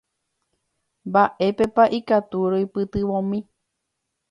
Mba'épepa ikatu roipytyvõmi.